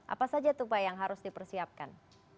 apa saja tuh pak yang harus dipersiapkan